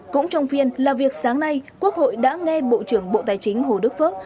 cũng trong phiên làm việc sáng nay quốc hội đã nghe bộ trưởng bộ tài chính hồ đức phước